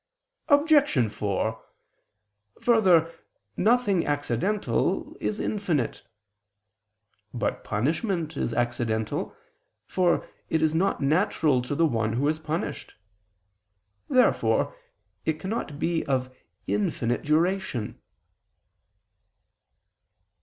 Obj. 4: Further, nothing accidental is infinite. But punishment is accidental, for it is not natural to the one who is punished. Therefore it cannot be of infinite duration.